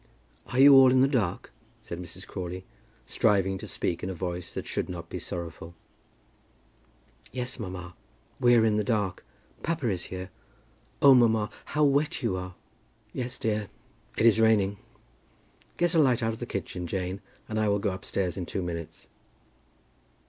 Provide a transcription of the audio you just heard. "Are you all in the dark?" said Mrs. Crawley, striving to speak in a voice that should not be sorrowful. "Yes, mamma; we are in the dark. Papa is here. Oh, mamma, how wet you are!" "Yes, dear. It is raining. Get a light out of the kitchen, Jane, and I will go upstairs in two minutes."